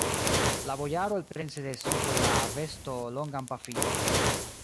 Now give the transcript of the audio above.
La bojaro elprenis de sub la vesto longan pafilon.